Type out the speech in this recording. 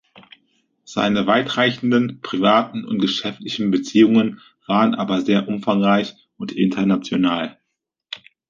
Seine weitreichenden privaten und geschäftlichen Beziehungen waren aber sehr umfangreich und international.